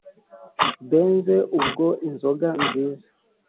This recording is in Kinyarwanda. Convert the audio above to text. Benze ubwo inzoga nziza